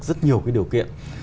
rất nhiều cái điều kiện